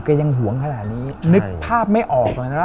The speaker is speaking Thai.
ยังห่วงขนาดนี้นึกภาพไม่ออกเลยนะ